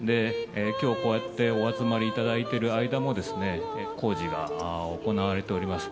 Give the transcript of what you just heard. きょう、こうやってお集まりいただいている間も、工事が行われております。